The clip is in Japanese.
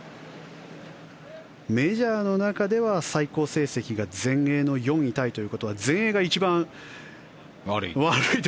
メジャーの中では最高成績が全英の４位タイということは全英が一番悪いと。